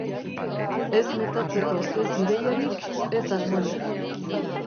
Ez metatzeko ez ideiarik, ez asmorik.